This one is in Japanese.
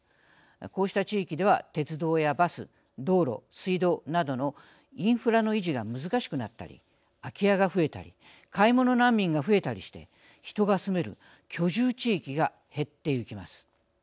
こうした地域では、鉄道やバス道路、水道などのインフラの維持が難しくなったり空き家が増えたり買い物難民が増えたりして人が住める居住地域が減ってゆきます。